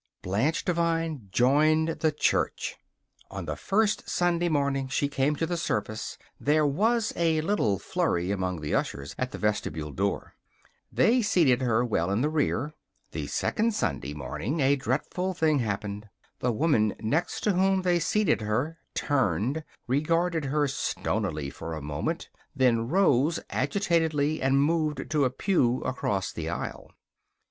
Blanche Devine joined the church. On the first Sunday morning she came to the service there was a little flurry among the ushers at the vestibule door. They seated her well in the rear. The second Sunday morning a dreadful thing happened. The woman next to whom they seated her turned, regarded her stonily for a moment, then rose agitatedly and moved to a pew across the aisle.